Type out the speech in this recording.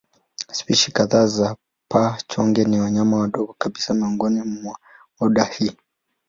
Spishi kadhaa za paa-chonge ni wanyama wadogo kabisa miongoni mwa oda hii.